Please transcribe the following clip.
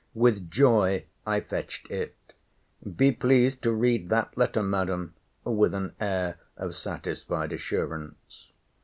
With joy I fetched it. Be pleased to read that letter, Madam; with an air of satisfied assurance.